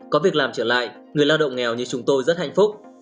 có việc làm trở lại người lao động nghèo như chúng tôi rất hạnh phúc